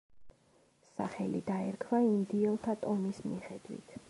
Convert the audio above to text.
სახელი დაერქვა ინდიელთა ტომის მიხედვით.